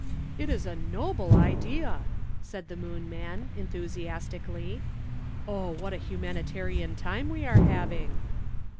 '" "It is a noble idea!" said the Moon man, enthusiastically. "Oh, what a humanitarian time we are having!"